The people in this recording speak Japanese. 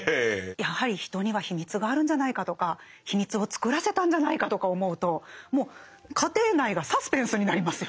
やはり人には秘密があるんじゃないかとか秘密を作らせたんじゃないかとか思うともう家庭内がサスペンスになりますよ。